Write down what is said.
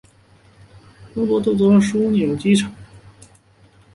合瓦博拉航空和温比殿华航空都作比为枢纽机场。